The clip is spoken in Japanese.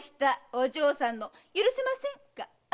お嬢さんの「許せません」が。